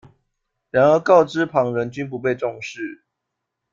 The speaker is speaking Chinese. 然而告知旁人均不被重视。